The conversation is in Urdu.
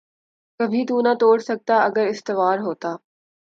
کبھی تو نہ توڑ سکتا اگر استوار ہوتا